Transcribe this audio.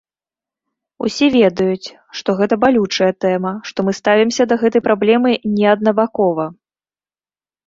Усе ведаюць, што гэта балючая тэма, што мы ставімся да гэтай праблемы не аднабакова.